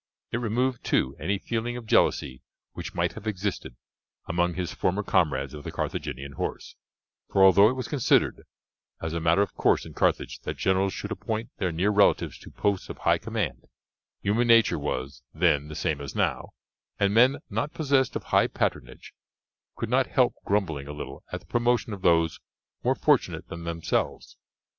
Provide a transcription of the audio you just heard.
It removed, too, any feeling of jealousy which might have existed among his former comrades of the Carthaginian horse, for although it was considered as a matter of course in Carthage that generals should appoint their near relatives to posts of high command, human nature was then the same as now, and men not possessed of high patronage could not help grumbling a little at the promotion of those more fortunate than themselves.